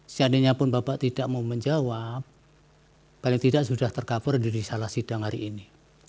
seandainya pun bapak tidak mau menjawab paling tidak sudah tercover di risalah sidang hari ini